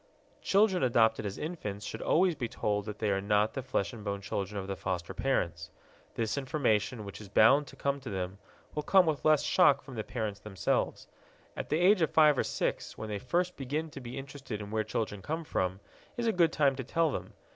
Children adopted as infants should always be told that they are not the flesh and bone children of the foster parents. This information, which is bound to come to them, will come with less shock from the parents themselves. At the age of five or six, when they first begin to be interested in where children come from, is a good time to tell them.